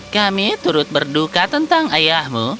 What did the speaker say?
kami turut berduka tentang ayahmu